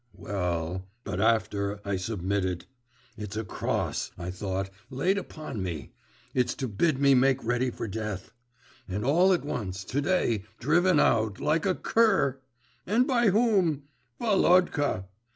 Well, but after, I submitted! It's a cross, I thought, laid upon me; it's to bid me make ready for death. And all at once, to day, driven out, like a cur! And by whom? Volodka!